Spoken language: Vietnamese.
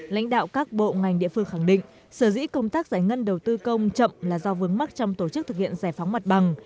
lãnh đạo các bộ ngành địa phương khẳng định sở dĩ công tác giải ngân đầu tư công chậm là do vướng mắc trong tổ chức thực hiện giải phóng mặt bằng